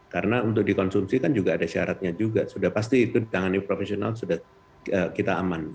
karena untuk dikonsumsi kan juga ada syaratnya juga sudah pasti itu ditangani profesional sudah kita aman